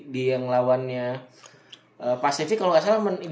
di yang lawannya pasifik kalau gak salah